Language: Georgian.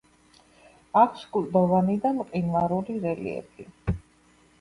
აქვს კლდოვანი და მყინვარული რელიეფი.